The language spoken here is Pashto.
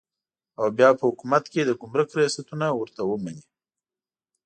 او بیا په حکومت کې د ګمرک ریاستونه ورته ومني.